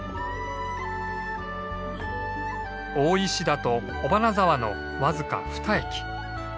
大石田と尾花沢の僅かふた駅。